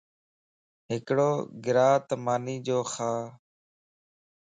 ھڪڙو گراته مانيَ جو کا